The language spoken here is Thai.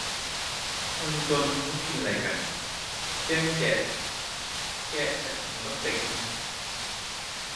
คนจนเขากินอะไรกัน แกงแกะ แกะจากถุงพลาสติก